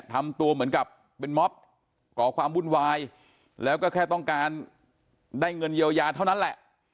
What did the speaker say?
ทำตัวเหมือนกับเป็นม็อบก่อความวุ่นวายแล้วก็แค่ต้องการได้เงินเยียวยาเท่านั้นแหละ